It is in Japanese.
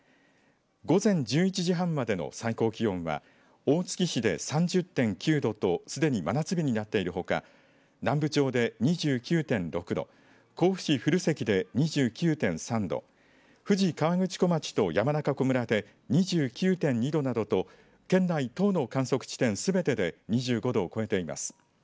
午前１１時半までの最高気温は大月市で３０．９度とすでに真夏日になっているほか南部町で２９．６度甲府市古関で２９．３度富士河口湖町と山中湖村で２９．２度などと県内１０の観測地点すべてで２５度を超えています。